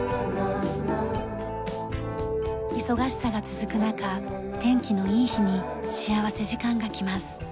忙しさが続く中天気のいい日に幸福時間が来ます。